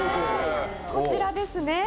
こちらですね。